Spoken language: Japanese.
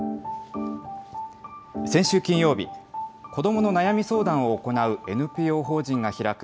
先週金曜日、子どもの悩み相談を行うＮＰＯ法人が開く